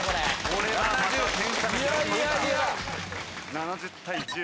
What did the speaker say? ７０対１０。